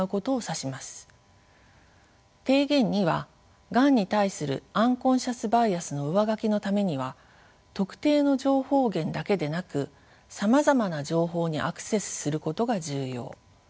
提言２はがんに対するアンコンシャスバイアスの上書きのためには特定の情報源だけでなくさまざまな情報にアクセスすることが重要。